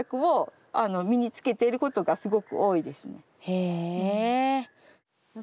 へえ。